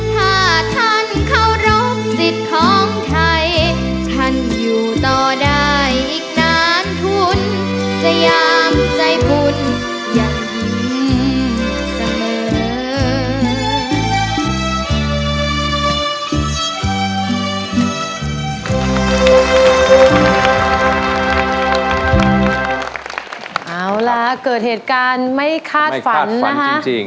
ถ้าท่านเคารพสิทธิ์ของไทยท่านอยู่ต่อได้อีกนานทุน